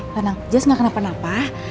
tenang just nggak kena penapa